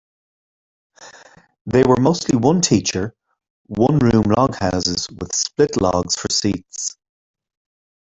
They were mostly one teacher, one-room log houses with split logs for seats.